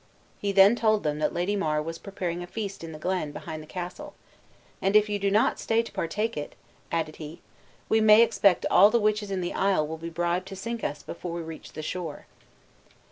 He then told them that Lady Mar was preparing a feast in the glen, behind the castle; "and if you do not stay to partake it," added he, "we may expect all the witches in the isle will be bribed to sink us before we reach the shore."